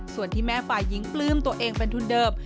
ส่วนที่แม่ฝ่ายหญิงปลื้มตัวเองเป็นทุนเดิม